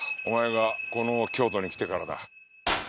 お前がこの京都に来てからだ。